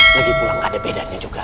lagipula gak ada bedanya juga